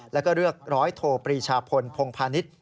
แล้วก็เรียกร้อยโทปรีชาพลพงพาณิชย์